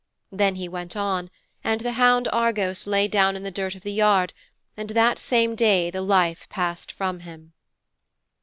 Then he went on, and the hound Argos lay down in the dirt of the yard, and that same day the life passed from him.